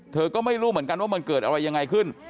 เธอก็ไม่รู้เหมือนกันว่ามันเกิดอะไรยังไงขึ้น